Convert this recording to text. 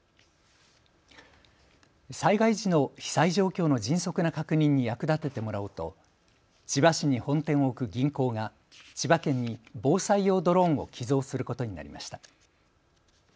災害時の被災状況の迅速な確認に役立ててもらおうと千葉市に本店を置く銀行が千葉県に防災用ドローンを寄贈することになりました。